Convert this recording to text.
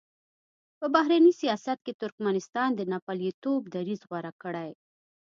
په بهرني سیاست کې ترکمنستان د ناپېیلتوب دریځ غوره کړی.